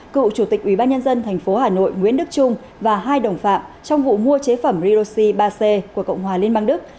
cựu chủ tịch ủy ban nhân dân thành phố hà nội nguyễn đức trung và hai đồng phạm trong vụ mua chế phẩm riroshi ba c của cộng hòa liên bang đức